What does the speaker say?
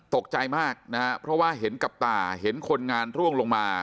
ตกใจมากนะฮะเพราะว่าเห็นกับตาเห็นคนงานร่วงลงมา